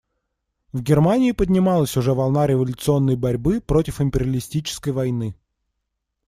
В Германии поднималась уже волна революционной борьбы против империалистической войны.